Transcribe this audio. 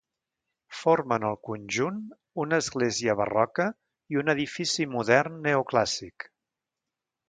Formen el conjunt una església barroca i un edifici modern neoclàssic.